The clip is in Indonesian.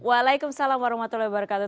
waalaikumsalam warahmatullahi wabarakatuh